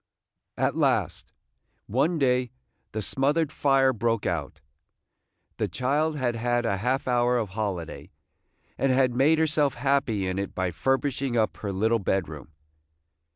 At last, one day, the smothered fire broke out. The child had had a half hour of holiday, and had made herself happy in it by furbishing up her little bedroom.